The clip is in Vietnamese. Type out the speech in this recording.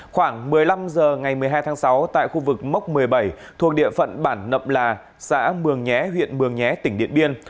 khoảng một mươi năm h ngày một mươi hai tháng sáu tại khu vực mốc một mươi bảy thuộc địa phận bản nậm là xã mường nhé huyện mường nhé tỉnh điện biên